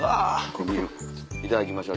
いただきましょう。